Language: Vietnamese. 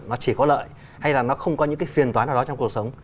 nó chỉ có lợi hay là nó không có những cái phiền toán nào đó trong cuộc sống